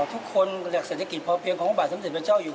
ทุกคนจากเศรษฐกิจพอเพียงของพระบาทสมเด็จพระเจ้าอยู่